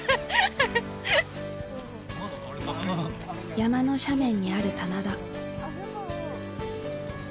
山の斜面にある棚田。